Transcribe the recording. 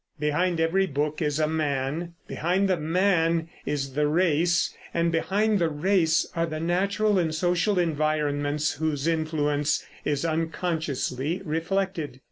Behind every book is a man; behind the man is the race; and behind the race are the natural and social environments whose influence is unconsciously reflected.